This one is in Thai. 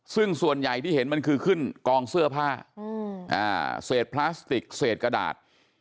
ซึ่งส่วนใหญ่ที่เห็นมันคือขึ้นกองเสื้อผ้าเศษพลาสติกเศษกระดาษ